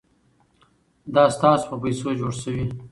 دا ستاسو په پیسو جوړ شوي.